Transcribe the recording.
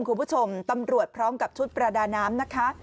คุณผู้ชมตำรวจพร้อมกับชุดประดาน้ำนะคะ